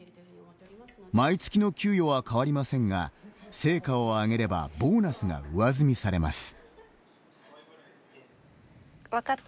毎月の給与は変わりませんが成果を上げればボーナスが上積みされます。